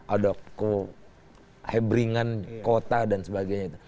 ada kehebringan kota dan sebagainya itu